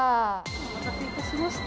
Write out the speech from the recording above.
お待たせいたしました。